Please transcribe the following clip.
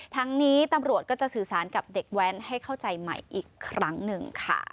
ทั้งนี้ตำรวจก็จะสื่อสารกับเด็กแว้นให้เข้าใจใหม่อีกครั้งหนึ่งค่ะ